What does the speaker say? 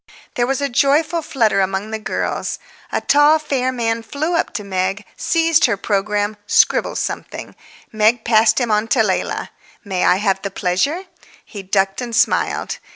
There was a joyful flutter among the girls. A tall, fair man flew up to Meg, seized her programme, scribbled something; Meg passed him on to Leila. "May I have the pleasure?" He ducked and smiled.